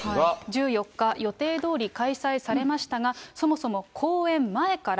１４日、予定どおり開催されましたが、そもそも公演前から、